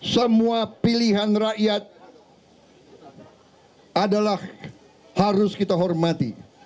semua pilihan rakyat adalah harus kita hormati